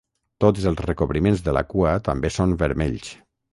Tots els recobriments de la cua també són vermells.